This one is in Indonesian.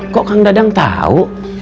kok kang dadang tau